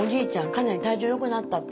かなり体調良くなったって。